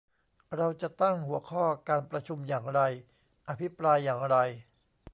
เราจะตั้งหัวข้อการประชุมอย่างไร อภิปรายอย่างไร